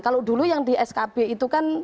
kalau dulu yang di skb itu kan